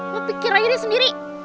lo pikir aja deh sendiri